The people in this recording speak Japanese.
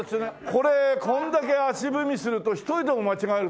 これこんだけ足踏みすると一人でも間違えるとわかるね。